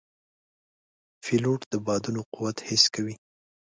پیلوټ د بادونو قوت حس کوي.